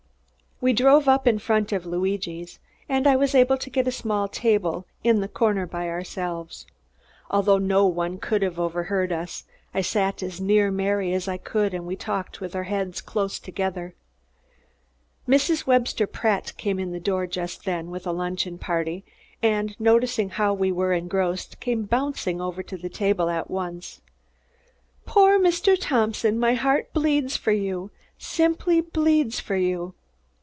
We drove up in front of Luigi's, and I was able to get a small table, in the corner by ourselves. Although no one could have overheard us, I sat as near Mary as I could and we talked with our heads close together. Mrs. Webster Pratt came in the door just then, with a luncheon party, and, noticing how we were engrossed, came bouncing over to the table at once. "Poor Mr. Thompson, my heart bleeds for you simply bleeds for you."